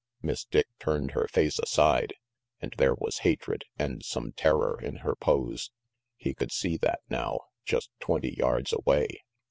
Miss Dick turned her face aside, and there was hatred, and some terror, in her pose. He could see that now; just twenty yards away.